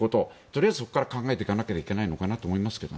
とりあえずそこから考えなきゃいけないのかなと思います。